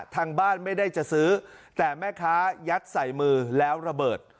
ทางบ้านไม่ได้จะซื้อแต่แม่ค้ายัดใส่มือแล้วระเบิด